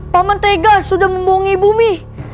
paman tegas sudah membongi bumi